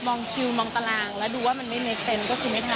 คิวมองตารางแล้วดูว่ามันไม่เครนด์ก็คือไม่ทำ